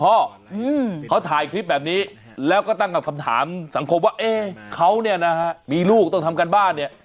เขาถ่ายคลิปแบบนี้แล้วก็ตั้งกับคำถามสังคมว่าเอ๊ะเขาเนี่ยนะฮะมีลูกต้องทำการบ้านเนี่ย